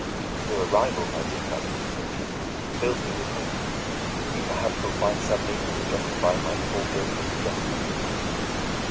"Your arrival, my dear cousin," said she, "fills me with hope. You perhaps will find some means to justify my poor guiltless Justine.